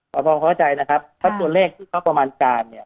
พร้อมเข้าใจนะครับเพราะตัวเลขที่เขาประมาณการเนี่ย